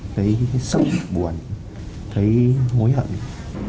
thấy sốc buồn thấy hối hận